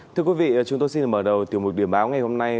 thưa quý vị chúng tôi xin được mở đầu tiểu mục điểm báo ngày hôm nay